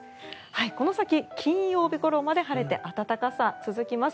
この先、金曜日ごろまで晴れて暖かさが続きます。